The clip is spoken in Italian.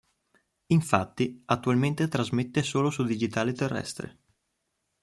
Infatti attualmente trasmette solo su digitale terrestre.